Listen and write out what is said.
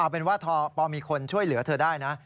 เป็นว่าพอมีคนช่วยเหลือเธอได้นะ